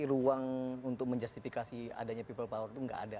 ruang untuk menjustifikasi adanya people power itu nggak ada